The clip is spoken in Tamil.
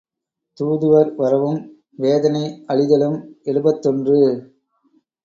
தூதுவர் வரவும் வேதனை அழிதலும் எழுபத்தொன்று.